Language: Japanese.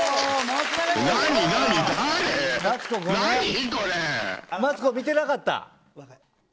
マツコ見てなかった。